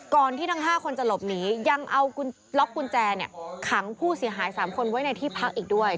ที่ทั้ง๕คนจะหลบหนียังเอาล็อกกุญแจเนี่ยขังผู้เสียหาย๓คนไว้ในที่พักอีกด้วย